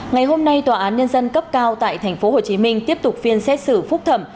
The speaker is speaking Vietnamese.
ngày hôm nay tòa án nhân dân cấp cao tại tp hcm tiếp tục phiên xét xử phúc thẩm